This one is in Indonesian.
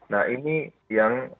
nah ini yang